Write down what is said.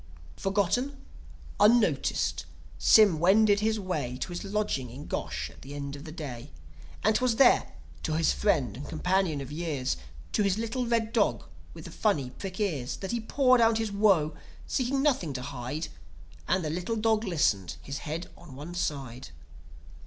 Forgotten, unnoticed, Sym wended his way To his lodging in Gosh at the close of the day. And 'twas there, to his friend and companion of years To his little red dog with the funny prick ears That he poured out his woe; seeking nothing to hide; And the little dog listened, his head on one side.